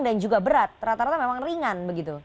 dan juga berat rata rata memang ringan